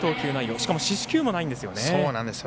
しかも四死球がないんですよね。